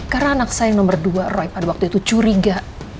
karena anak saya nomor dua roy pada waktu itu curiga